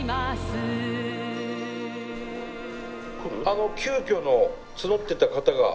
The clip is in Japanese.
あの急きょの募ってた方が。